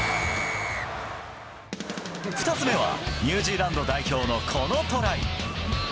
２つ目はニュージーランド代表のこのトライ。